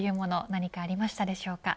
何かありましたでしょうか。